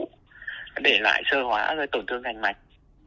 nó để lại sơ hóa rồi tổn thương thành mạch